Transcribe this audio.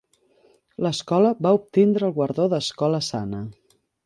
L'escola va obtindre el guardó d'Escola Sana.